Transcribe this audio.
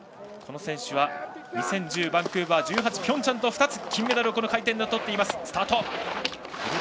この選手は２０１０バンクーバー２０１８ピョンチャンと２つ金メダルをこの回転でとっています。